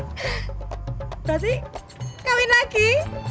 berarti kawin lagi